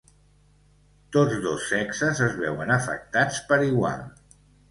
Tots dos sexes es veuen afectats per igual.